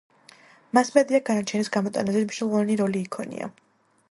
მასმედიამ, განაჩენის გამოტანაზე მნიშვნელოვანი როლი იქონია.